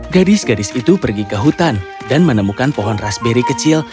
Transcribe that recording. gadis gadis itu pergi ke hutan dan menemukan pohon raspberry kecil